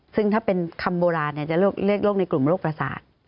ซึ่งถ้าเป็นคำโบราณจะเรียกโรคในกลุ่มโรคประสาท